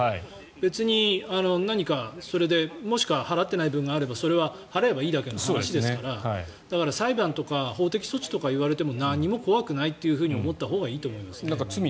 別に何か、それでもしくは払っていない分があればそれは払えばいいだけの話ですからだから、裁判とか法的措置とか言われても何も怖くないと思ったほうがいいと思いますね。